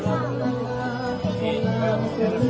สวัสดีครับทุกคน